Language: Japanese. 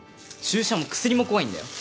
注射も薬も怖いんだよ。